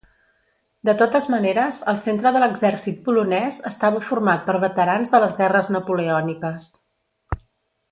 De totes maneres, el centre de l'exèrcit polonès estava format per veterans de les guerres napoleòniques.